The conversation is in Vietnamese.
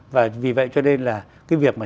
và vì vậy cho nên là cái việc mà